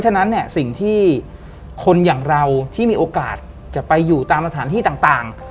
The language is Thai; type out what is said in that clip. คือถึงที่คนอย่างเราที่มีโอกาสจะไปอยู่ตามสถานที่ต่าง